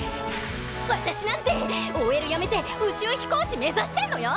私なんてＯＬやめて宇宙飛行士目指してんのよ！